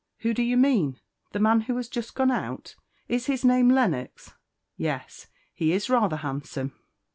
"Who do you mean? The man who has just gone out? Is his name Lennox? Yes, he is rather handsome."